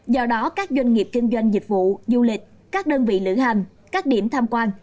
do đó các doanh nghiệp kinh doanh dịch vụ du lịch các đơn vị lữ hành các điểm tham quan